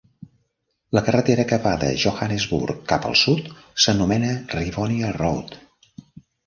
La carretera que va de Johannesburg cap al sud s'anomena Rivonia Road.